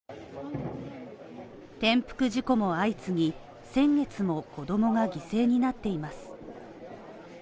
転覆事故も相次ぎ、先月も子供が犠牲になっています。